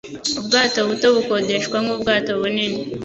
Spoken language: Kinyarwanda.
ubwato buto bukodeshwa nk ubwato bunini